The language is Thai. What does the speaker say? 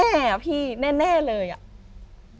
แน่อะพี่แน่เลยอะ